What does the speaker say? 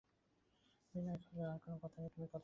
বিনয় কহিল, আমার কোনো কথা নেই, তুমি কথা বলো।